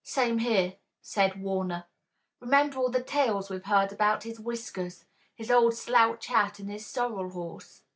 "Same here," said Warner. "Remember all the tales we've heard about his whiskers, his old slouch hat and his sorrel horse."